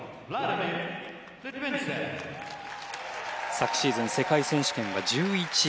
昨シーズン世界選手権は１１位。